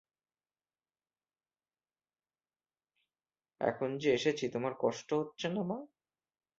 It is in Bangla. এখন যে এসেছি, তোমার কষ্ট হচ্ছে না, মা?